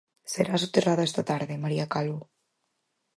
Será soterrada esta tarde, María Calvo.